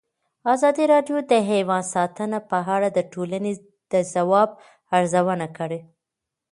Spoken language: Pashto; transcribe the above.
ازادي راډیو د حیوان ساتنه په اړه د ټولنې د ځواب ارزونه کړې.